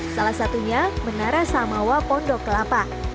salah satunya menara samawa pondok kelapa